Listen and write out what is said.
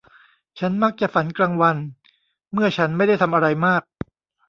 ฉันมักจะฝันกลางวันเมื่อฉันไม่ได้ทำอะไรมาก